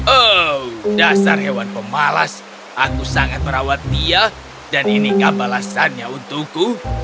oh dasar hewan pemalas aku sangat merawat dia dan inikah balasannya untukku